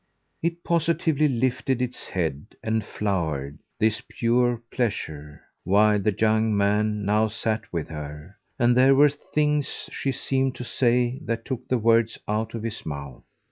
It positively lifted its head and flowered, this pure pleasure, while the young man now sat with her, and there were things she seemed to say that took the words out of his mouth.